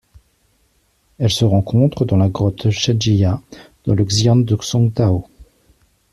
Elle se rencontre dans la grotte Chenjia dans le xian de Songtao.